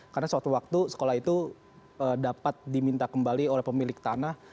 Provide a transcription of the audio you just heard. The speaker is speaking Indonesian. karena suatu waktu sekolah itu dapat diminta kembali oleh pemilik tanah